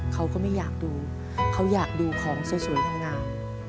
เขาก็ไม่อยากดูเขาอยากดูของสวยงาม